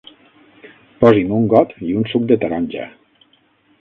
Posi'm un got i un suc de taronja.